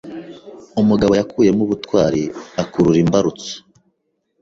Umugabo yakuyemo ubutwari akurura imbarutso.